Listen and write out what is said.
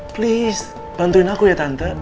please bantuin aku ya tante